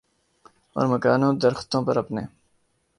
اور مکانوں درختوں پر اپنے